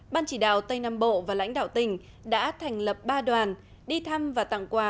ban chỉ đạo tây nam bộ và lãnh đạo tỉnh đã thành lập ba đoàn đi thăm và tặng quà